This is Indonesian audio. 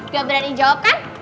gak berani jawab kan